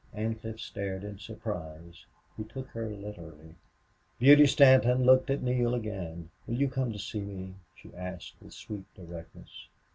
Ancliffe stared in surprise. He took her literally. Beauty Stanton looked at Neale again. "Will you come to see me?" she asked, with sweet directness.